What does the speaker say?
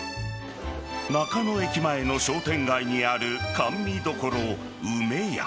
中野駅前の商店街にある甘味処梅家。